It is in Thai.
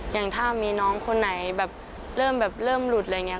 อย่างถ้ามีน้องคนไหนแบบเริ่มแบบเริ่มหลุดอะไรอย่างนี้